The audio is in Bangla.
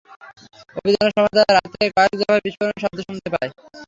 অভিযানের সময় তাঁরা রাত থেকে কয়েক দফায় বিস্ফোরণের শব্দ শোনতে পায়।